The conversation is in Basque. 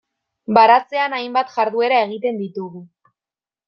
Baratzean hainbat jarduera egiten ditugu.